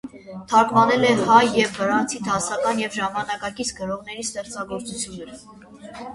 Թարգմանել է հայ և վրացի դասական և ժամանակակից գրողների ստեղծագործություններ։